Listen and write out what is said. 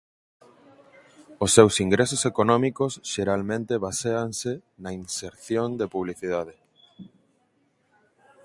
Os seus ingresos económicos xeralmente baséanse na inserción de publicidade.